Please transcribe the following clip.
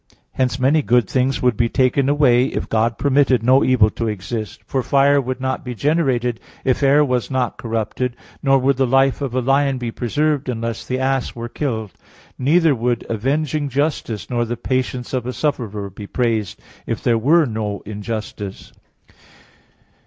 Hence many good things would be taken away if God permitted no evil to exist; for fire would not be generated if air was not corrupted, nor would the life of a lion be preserved unless the ass were killed. Neither would avenging justice nor the patience of a sufferer be praised if there were no injustice.